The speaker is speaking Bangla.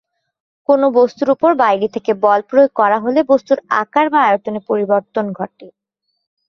কোন বস্তুর ওপর বাইরে থেকে বল প্রয়োগ করা হলে বস্তুর আকার বা আয়তনে পরিবর্তন ঘটে।